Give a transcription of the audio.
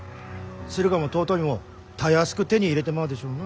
駿河も遠江もたやすく手に入れてまうでしょうな。